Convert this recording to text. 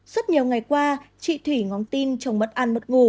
suốt nhiều ngày qua chị thủy ngóng tin chồng mất ăn mất ngủ